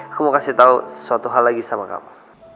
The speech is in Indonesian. aku mau kasih tau sesuatu hal lagi sama kamu